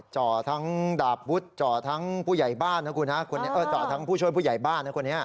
เจาะทั้งดาบบุษเจาะทั้งผู้ช่วยผู้ใหญ่บ้านนะคุณฮะ